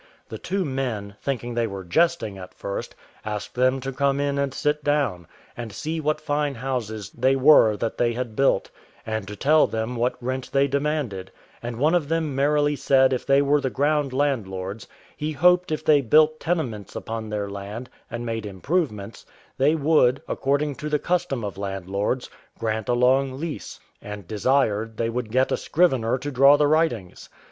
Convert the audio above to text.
The two men, thinking they were jesting at first, asked them to come in and sit down, and see what fine houses they were that they had built, and to tell them what rent they demanded; and one of them merrily said if they were the ground landlords, he hoped if they built tenements upon their land, and made improvements, they would, according to the custom of landlords, grant a long lease: and desired they would get a scrivener to draw the writings.